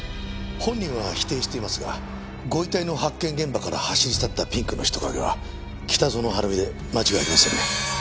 本人は否定していますがご遺体の発見現場から走り去ったピンクの人影は北園晴美で間違いありませんね。